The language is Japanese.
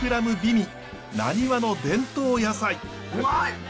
うまい！